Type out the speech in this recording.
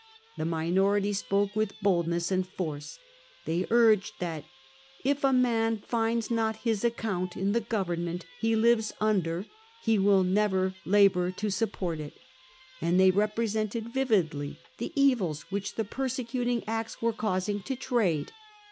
The minority spoke with boldness and force. They urged that ' if a man finds not his account in the government he lives under he will never labour to support it,' and they repre sented vividly the evils which the persecuting Acts were causing to trade.